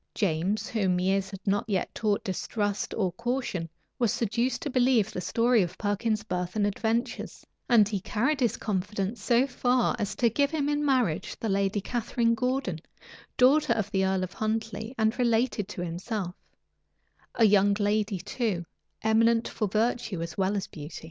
James, whom years had not yet taught distrust or caution, was seduced to believe the story of Perkin's birth and adventures; and he carried his confidence so far as to give him in marriage the lady Catharine Gordon, daughter of the earl of Huntley, and related to himself; a young lady too, eminent for virtue as well as beauty.